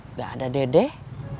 nggak ada dedeh